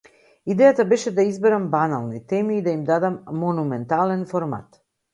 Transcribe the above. Идејата беше да изберам банални теми и да им дадам монументален формат.